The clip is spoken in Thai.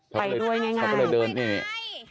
ก็เลยไปด้วยง่าย